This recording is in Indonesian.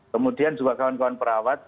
kemudian juga kawan kawan perawat